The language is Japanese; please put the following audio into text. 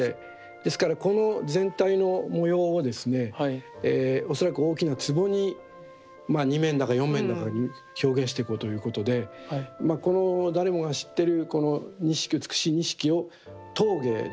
ですからこの全体の模様をですね恐らく大きなつぼに２面だか４面だかに表現していこうということでこの誰もが知ってるこの錦美しい錦を陶芸ですね